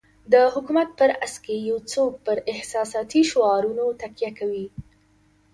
د حکومت په راس کې یو څوک پر احساساتي شعارونو تکیه کوي.